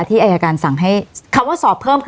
ที่อายการสั่งให้คำว่าสอบเพิ่มคือ